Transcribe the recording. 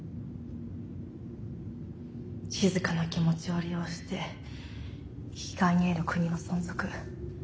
しずかの気持ちを利用して引き換えに得る国の存続。